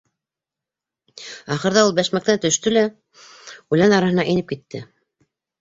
Ахырҙа ул бәшмәктән төштө лә үлән араһына инеп китте.